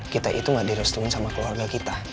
kita itu gak direstuin sama keluarga kita